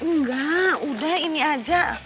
nggak udah ini aja